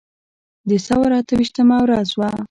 د ثور اته ویشتمه ورځ وه.